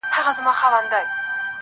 ډيره ژړا لـــږ خـــنــــــــــدا.